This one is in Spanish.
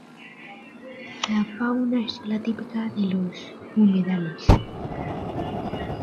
La fauna es la típica de los humedales.